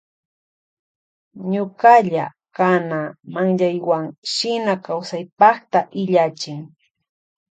Ñukalla kana manllaywan shina kawsaypakta illachin.